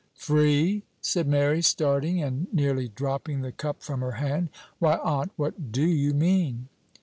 "Free!" said Mary, starting, and nearly dropping the cup from her hand; "why, aunt, what do you mean?"